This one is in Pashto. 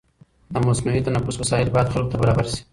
د مصنوعي تنفس وسایل باید خلکو ته برابر شي.